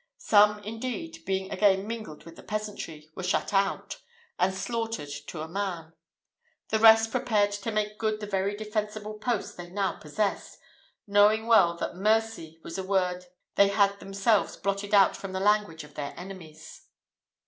Some, indeed, being again mingled with the peasantry, were shut out, and slaughtered to a man; the rest prepared to make good the very defensible post they now possessed, knowing well that mercy was a word they had themselves blotted out from the language of their enemies.